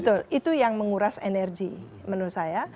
betul itu yang menguras energi menurut saya